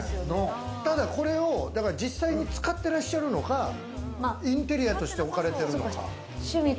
ただ、これを実際に使ってらっしゃるのか、インテリアとして置かれてるのか。